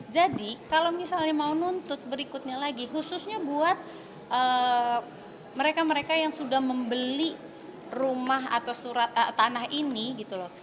jadi kalau misalnya mau nuntut berikutnya lagi khususnya buat mereka mereka yang sudah membeli rumah atau surat tanah ini gitu loh